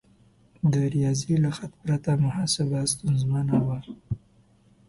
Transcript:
د ریاضي له خط پرته محاسبه ستونزمنه وه.